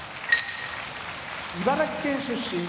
茨城県出身